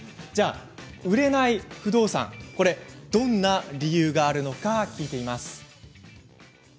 売れない不動産にはどんな理由があるのか聞いています。